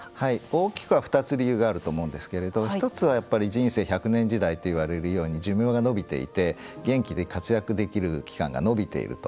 大きくは、２つ理由があると思うんですけれど１つはやっぱり人生１００年時代といわれるように寿命が延びていて元気で活躍できる期間が延びていると。